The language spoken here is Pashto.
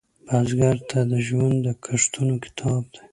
بزګر ته ژوند د کښتونو کتاب دی